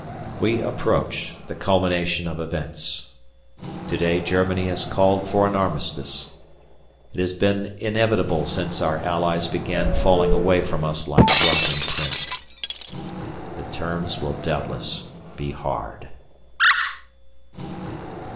We approach the culmination of events. To day Germany has called for an armistice. It has been inevitable since our Allies began falling away from us like rotten print. The terms will doubtless be hard.